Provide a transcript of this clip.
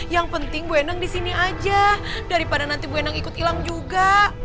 yang penting bu endang di sini aja daripada nanti bu endang ikut hilang juga